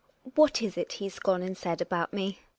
What is it lie's gone and caid about me?